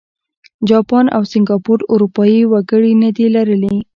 جاپان او سینګاپور اروپايي وګړي نه دي لرلي.